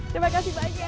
terima kasih banyak